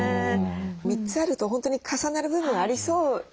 ３つあると本当に重なる部分ありそうですね。